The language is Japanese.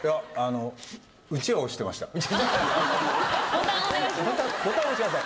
ボタンお願いします。